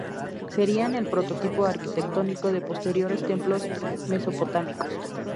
Serían el prototipo arquitectónico de posteriores templos mesopotámicos.